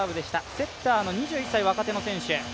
セッターの２１歳、若手の選手。